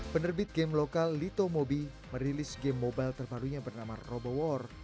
penerbit game lokal lito mobi merilis game mobile terbarunya bernama robo war